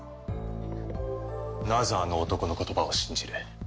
なぜあの男の言葉を信じる？